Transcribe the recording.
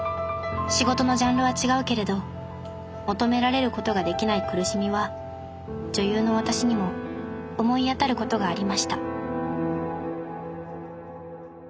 仕事のジャンルは違うけれど求められることができない苦しみは女優の私にも思い当たることがありました